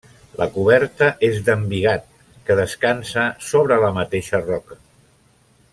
La coberta és d'embigat que descansa sobre la mateixa roca.